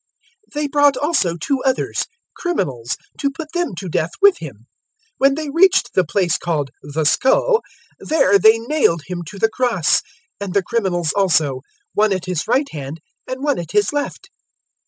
023:032 They brought also two others, criminals, to put them to death with Him. 023:033 When they reached the place called `The Skull,' there they nailed Him to the cross, and the criminals also, one at His right hand and one at His left.